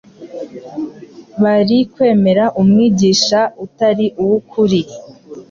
Bari kwemera umwigisha utari uw’ukuri